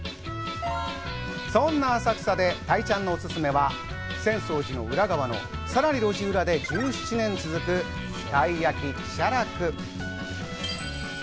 そんな浅草で田井ちゃんのおすすめは、浅草寺の裏側のさらに路地裏で１７年続くたい焼・写楽。